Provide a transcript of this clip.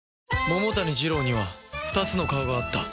桃谷ジロウには２つの顔があった